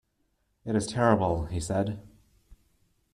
"It is terrible," he said.